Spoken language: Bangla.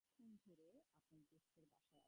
কী সতীশ, থিয়েটারে গেলে না।